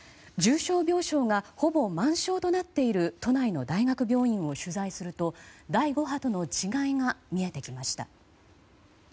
重症病床がほぼ満床となっている都内の大学病院を取材すると第５波との違いが見えてきました。